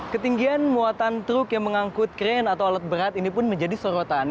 ketinggian muatan truk yang mengangkut kren atau alat berat ini pun menjadi sorotan